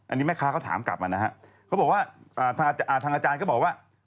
อันนี้แม่ค้าเขาถามกลับมานะฮะเขาบอกว่าทางอาจารย์ก็บอกว่า